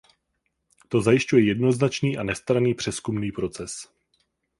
To zajišťuje jednoznačný a nestranný přezkumný proces.